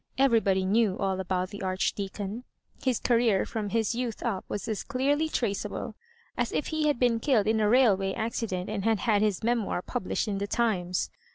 Everybody knew all about the Archdeacon : his career from his youth up was as clearly traceable as if he l^d been killed in a railway accident and had had his memoir published in the ' Times.'